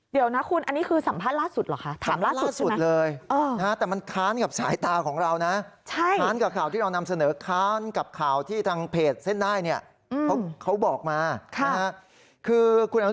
เดี๋ยวนะคุณอันนี้คือสัมภาษณ์ล่าสุดหรือคะ